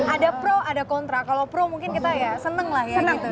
ada pro ada kontra kalau pro mungkin kita ya seneng lah